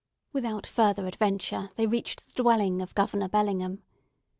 Without further adventure, they reached the dwelling of Governor Bellingham.